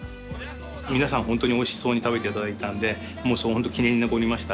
皆さんホントにおいしそうに食べていただいたので記念に残りました。